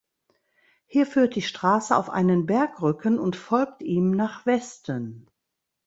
Hier führt die Straße auf einen Bergrücken und folgt ihm nach Westen.